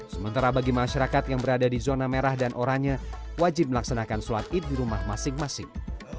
sementara bagi masyarakat yang berada di zona merah dan oranye wajib melaksanakan sholat id di rumah masing masing